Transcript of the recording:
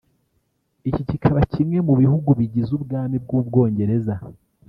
iki kikaba kimwe mu bihugu bigize ubwami bw’u Bwongereza